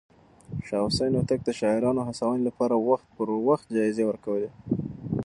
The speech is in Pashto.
شاه حسين هوتک د شاعرانو هڅونې لپاره وخت پر وخت جايزې ورکولې.